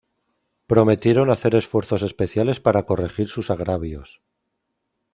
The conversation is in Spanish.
Prometieron hacer esfuerzos especiales para corregir sus agravios.